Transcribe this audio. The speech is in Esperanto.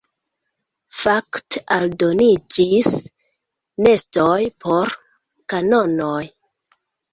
Fakte aldoniĝis nestoj por kanonoj.